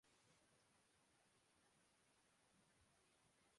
اپنے مسائل میں گھر جاتا ہوں